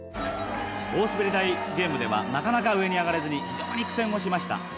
大滑り台ゲームではなかなか上に上がれ非常に苦戦をしました。